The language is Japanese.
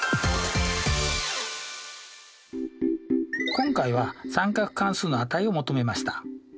今回は三角関数の値を求めました。